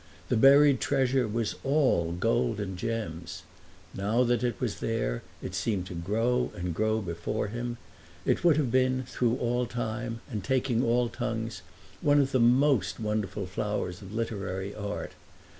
The buried treasure was all gold and gems. Now that it was there it seemed to grow and grow before him; it would have been, through all time and taking all tongues, one of the most wonderful flowers of literary art.